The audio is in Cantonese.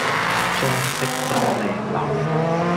裝飾真靚溜